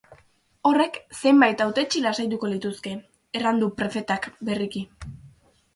Horrek zenbait hautetsi lasaituko lituzke, erran du prefetak berriki.